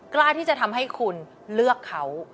กล้าที่จะทำให้คุณเลือกเขา